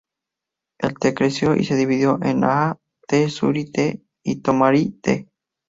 El "Te" creció y se dividió en Naha-Te, Shuri-Te y Tomari-Te.